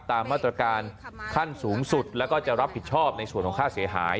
ตามมาตรการขั้นสูงสุดแล้วก็จะรับผิดชอบในส่วนของค่าเสียหาย